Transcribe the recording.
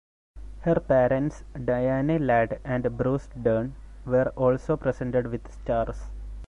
Her parents, Diane Ladd and Bruce Dern, were also presented with stars.